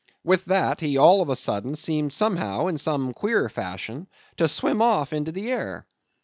With that, he all of a sudden seemed somehow, in some queer fashion, to swim off into the air.